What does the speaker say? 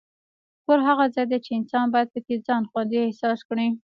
کور هغه ځای دی چې انسان باید پکې ځان خوندي احساس کړي.